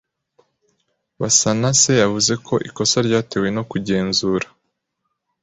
Basanase yavuze ko ikosa ryatewe no kugenzura.